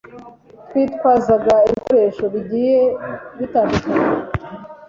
Twitwazaga ibikoresho bigiye bitandukanye